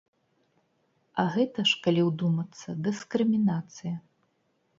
А гэта ж, калі ўдумацца, дыскрымінацыя.